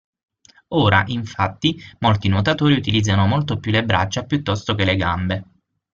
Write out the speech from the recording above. Ora, infatti, molti nuotatori utilizzano molto più le braccia piuttosto che le gambe.